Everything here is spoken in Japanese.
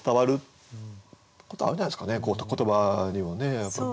言葉にもねやっぱり。